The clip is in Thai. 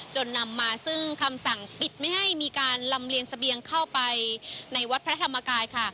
นำมาซึ่งคำสั่งปิดไม่ให้มีการลำเลียงเสบียงเข้าไปในวัดพระธรรมกายค่ะ